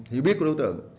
hiểu biết của đối tượng